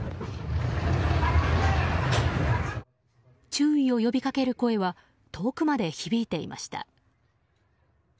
注意を呼びかける声は遠くまで響いていました。